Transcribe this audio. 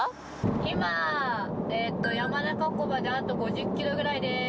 今、山中湖まであと５０キロぐらいです。